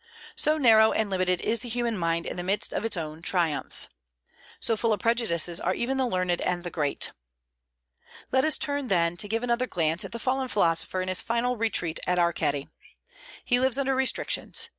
So narrow and limited is the human mind in the midst of its triumphs. So full of prejudices are even the learned and the great. Let us turn then to give another glance at the fallen philosopher in his final retreat at Arceti. He lives under restrictions.